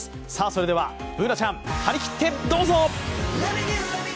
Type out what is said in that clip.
それでは、Ｂｏｏｎａちゃん、張り切ってどうぞ！！